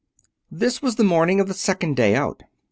That was the morning of the second day out.